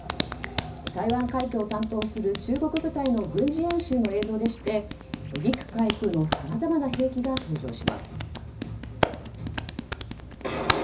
台湾海峡を担当する中国部隊の軍事演習の映像でして陸海空のさまざまな兵器が登場します。